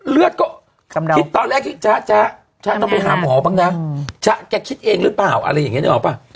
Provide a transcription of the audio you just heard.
เลือดก็คิดตอนแรกที่จ๊ะจ๊ะต้องไปหาหมอบ้างนะจ๊ะแกคิดเองหรือเปล่าอะไรอย่างนี้นึกออกป่ะ